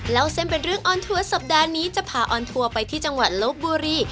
เล่าเส้นเป็นเรื่องออนทัวร์สัปดาห์นี้จะพาออนทัวร์ไปที่จังหวัดลบบุรี